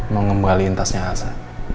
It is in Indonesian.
mengembalikan tasnya elsa